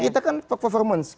kita kan performance